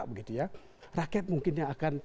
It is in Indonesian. rakyat mungkin yang akan